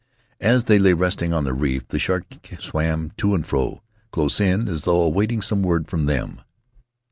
As they lay resting on the reef the shark swam to and fro, close in, as though awaiting some word from them.